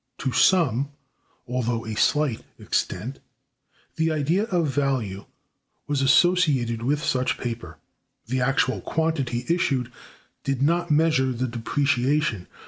To some—although a slight—extent, the idea of value was associated with such paper. The actual quantity issued did not measure the depreciation.